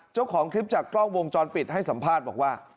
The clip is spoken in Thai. เจ้าของคลิปจากกล้องวงจรปิดให้สัมภาษณ์บอกว่า